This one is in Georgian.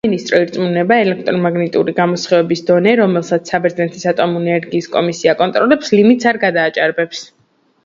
სამინისტრო ირწმუნება, ელექტრომაგნიტური გამოსხივების დონე, რომელსაც საბერძნეთის ატომური ენერგიის კომისია აკონტროლებს, ლიმიტს არ გადააჭარბებს.